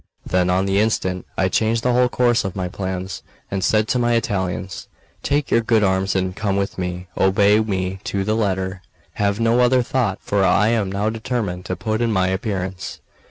Then, on the instant, I changed the whole course of my plans, and said to my Italians: "Take your good arms and come with me; obey me to the letter; have no other thought, for I am now determined to put in my appearance.